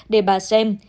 để bà xem